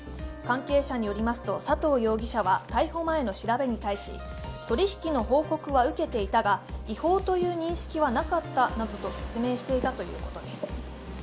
関係者によりますと佐藤容疑者は逮捕前の調べに対し取り引きの報告は受けていたが、違法という認識はなかったなどと説明していたということです。